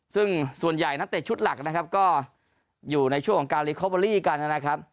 ซึ่งส่วนใหญ่นักเตะชุดหลักนะครับก็อยู่ในช่วงของการลิคอเบอรี่กันนะครับ